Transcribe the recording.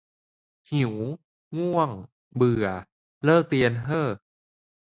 หิว ง่วง เบื่อ เลิกเรียนเห้อ